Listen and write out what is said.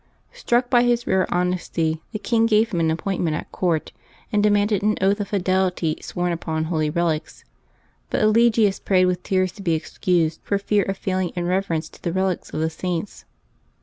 Struck by his rare honesty, the king gave him an appointment at court, and demanded an oath of fidelity sworn upon holy relics; but Eligius prayed with tears to be excused, for fear of failing in reverence to the relics of the Saints.